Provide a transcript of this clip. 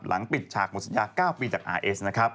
ปิดฉากหมดสัญญา๙ปีจากอาร์เอสนะครับ